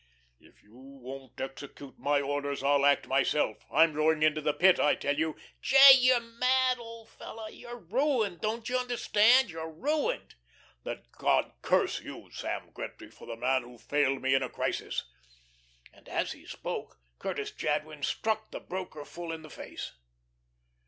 "If you won't execute my orders, I'll act myself. I'm going into the Pit, I tell you." "J., you're mad, old fellow. You're ruined don't you understand? you're ruined." "Then God curse you, Sam Gretry, for the man who failed me in a crisis." And as he spoke Curtis Jadwin struck the broker full in the face.